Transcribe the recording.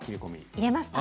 入れました。